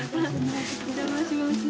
お邪魔します。